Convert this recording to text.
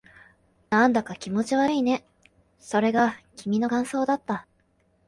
なんだか気持ち悪いね。それが君の感想だった。